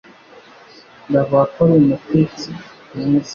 Bavuga ko ari umutetsi mwiza